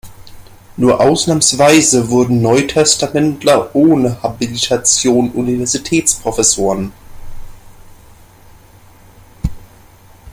Nur ausnahmsweise wurden Neutestamentler ohne Habilitation Universitätsprofessoren.